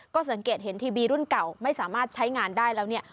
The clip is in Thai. ก็สังเกตเห็นทีวีรุ่นเก่าไม่สามารถใช้งานได้แล้วเนี่ย